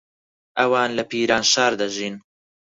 ئەوان لە پیرانشار دەژین.